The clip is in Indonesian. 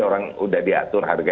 orang sudah diatur harga